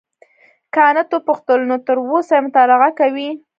کانت وپوښتل نو تر اوسه یې مطالعه کوې.